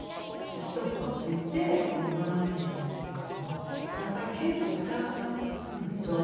でストックをついて登らなきゃいけないんですけどもやっぱり結構負担がくるんですね。